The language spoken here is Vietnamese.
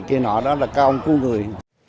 thì nó đó là cá ông cứu người